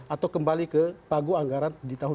atau kembali ke pagu anggaran di tahun dua ribu